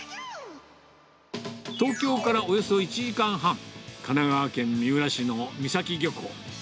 東京からおよそ１時間半、神奈川県三浦市の三崎漁港。